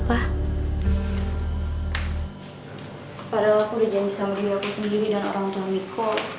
padahal aku udah janji sama dunia aku sendiri dan orangtua miko